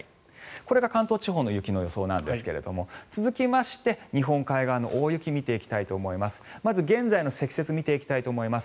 これが関東地方の雪の予想なんですが続きまして、日本海側の大雪見ていきたいと思います。